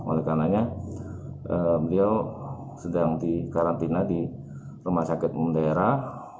oleh karenanya beliau sedang dikarantina di rumah sakit mendaerah